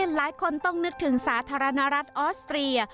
หลายคนต้องนึกถึงสาธารณรัฐออสเตรีย